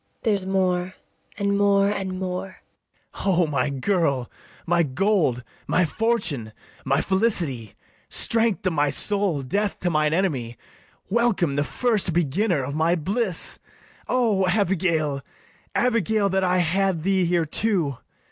There's more, and more, and more. BARABAS. O my girl, My gold, my fortune, my felicity, Strength to my soul, death to mine enemy; Welcome the first beginner of my bliss! O Abigail, Abigail, that I had thee here too!